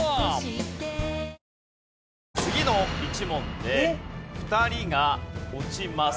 次の１問で２人が落ちます。